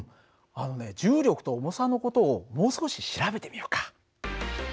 あのね重力と重さの事をもう少し調べてみようか。